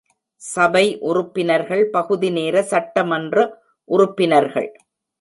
சபை உறுப்பினர்கள் பகுதிநேர சட்டமன்ற உறுப்பினர்கள்.